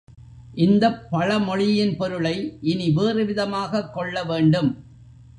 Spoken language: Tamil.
இந்தப் பழமொழியின் பொருளை இனி வேறு விதமாகக் கொள்ள வேண்டும்.